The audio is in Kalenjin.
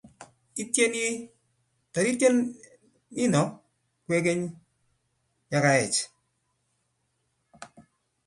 Ityeni toritie nino kwekeny ya kaech